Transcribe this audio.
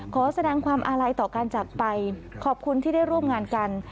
ขอแสดงความอาลัยต่อการจากไปขอบคุณที่ได้ร่วมงานกัน